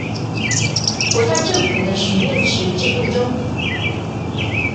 我在政府的許願池制度中